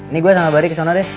ini gue sama bari kesana deh